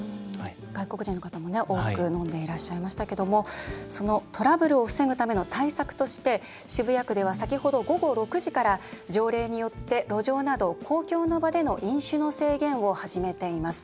外国人の方も多く飲んでいらっしゃいましたけれどもそのトラブルを防ぐための対策として渋谷区では、先ほど午後６時から条例によって路上など、公共の場での飲酒の制限を始めています。